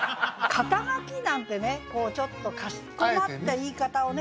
「肩書き」なんてねこうちょっとかしこまった言い方をね